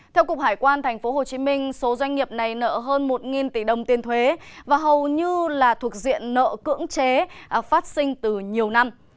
theo cục hải quan tp hcm số doanh nghiệp này nợ hơn một tỷ đồng tiền thuế và hầu như là thuộc diện nợ cưỡng chế phát sinh từ nhiều năm